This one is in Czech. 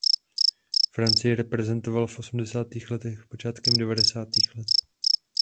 Francii reprezentoval v osmdesátých letech a počátkem devadesátých let.